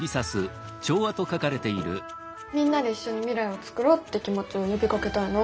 「みんなで一緒に未来をつくろう」って気持ちを呼びかけたいな。